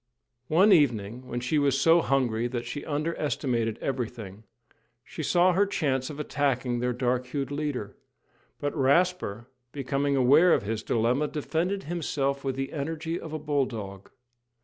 One evening when she was so hungry that she under estimated everything, she saw her chance of attacking their dark hued leader, but Rasper, becoming aware of his dilemma, defended himself with the energy of a bulldog.